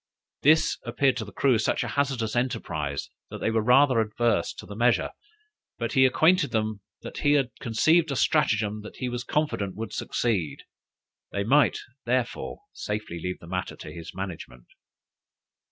This appeared to the crew such a hazardous enterprise, that they were rather adverse to the measure. But he acquainted them that he had conceived a stratagem that he was confident would succeed; they might, therefore, safely leave the matter to his management.